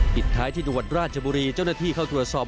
ปิดท้ายที่จังหวัดราชบุรีเจ้าหน้าที่เข้าตรวจสอบ